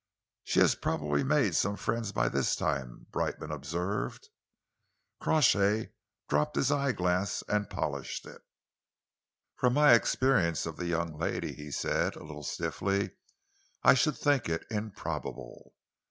"She has probably made some friends by this time," Brightman observed. Crawshay dropped his eyeglass and polished it. "From my experience of the young lady," he said, a little stiffly, "I should think it improbable.